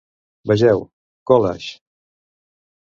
Vegeu: collage.